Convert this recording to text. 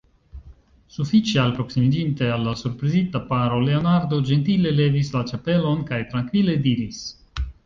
Sufiĉe alproksimiĝinte al la surprizita paro, Leonardo ĝentile levis la ĉapelon kaj trankvile diris: